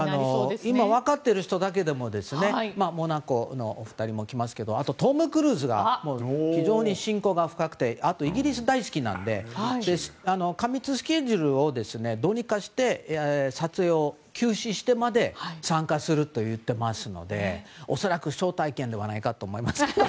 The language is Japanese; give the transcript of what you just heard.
今分かっている人だけでもモナコの２人も来ますけどあと、トム・クルーズが非常に親交が深くてあとイギリスが大好きなので過密スケジュールをどうにかして撮影を休止してまで参加すると言っていますので恐らく、招待ではないかと思いますけどね。